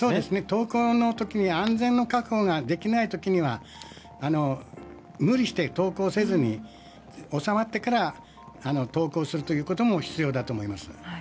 登校の時に安全の確保ができない時には無理して登校せずに収まってから登校するということも必要だと思います。